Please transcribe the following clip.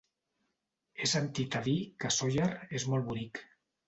He sentit a dir que Sóller és molt bonic.